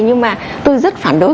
nhưng mà tôi rất phản đối